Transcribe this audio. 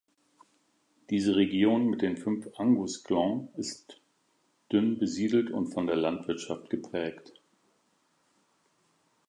Diese Region mit den fünf Angus-Glens ist dünn besiedelt und von der Landwirtschaft geprägt.